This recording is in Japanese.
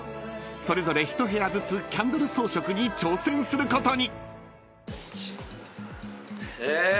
［それぞれ１部屋ずつキャンドル装飾に挑戦することに］え？